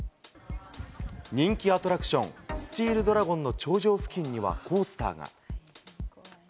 人気アトラクション、スチールドラゴンの頂上付近にはコースターが。